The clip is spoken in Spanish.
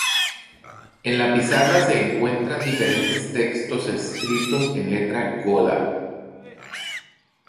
En la pizarra se encuentran diferentes textos escritos en letra "goda".